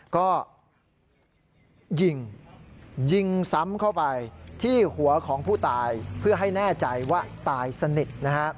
ก็ยิงยิงซ้ำเข้าไปที่หัวของผู้ตายเพื่อให้แน่ใจว่าตายสนิทนะฮะ